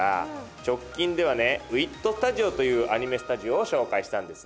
直近ではね「ＷＩＴＳＴＵＤＩＯ」というアニメスタジオを紹介したんですね。